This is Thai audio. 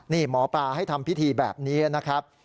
นี่หมอปลาให้ทำพิธีแบบนี้นะครับ